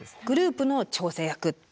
グループの調整役。